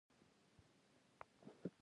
افغانستان د ځنګلونه له پلوه متنوع دی.